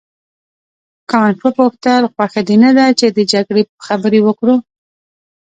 کانت وپوښتل خوښه دې نه ده چې د جګړې خبرې وکړو.